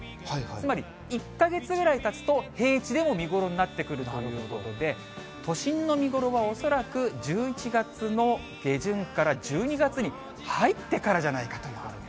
つまり、１か月ぐらいたつと、平地でも見頃になってくるということで、都心の見頃は恐らく１１月の下旬から１２月に入ってからじゃないかということで。